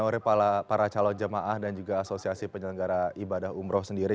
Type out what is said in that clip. sore para calon jemaah dan juga asosiasi penyelenggara ibadah umroh sendiri